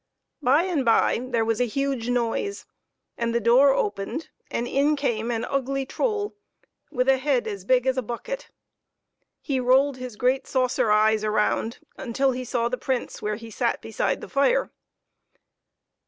By and by there was a huge noise, and the door opened and in came an ugly troll with a head as big as a bucket. He rolled his great saucer eyes around till he saw the Prince where he sat beside the fire.